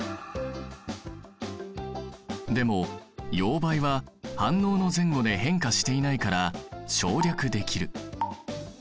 でも溶媒は反応の前後で変化していないから省略できる。